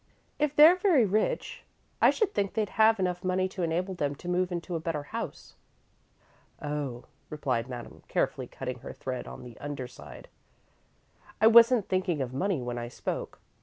"If they're very rich, I should think they'd have enough money to enable them to move into a better house." "Oh," replied Madame, carefully cutting her thread on the underside, "I wasn't thinking of money when I spoke.